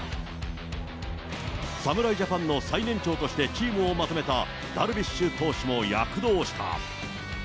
侍ジャパンの最年長としてチームをまとめたダルビッシュ投手も躍動した。